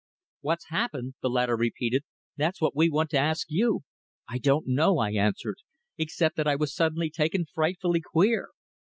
"What's happened?" the latter repeated. "That's what we want to ask you?" "I don't know," I answered, "except that I was suddenly taken frightfully queer."